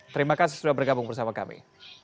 terima kasih sudah bergabung bersama kami